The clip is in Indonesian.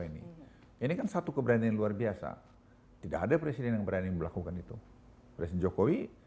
ini ini kan satu keberanian luar biasa tidak ada presiden yang berani melakukan itu presiden jokowi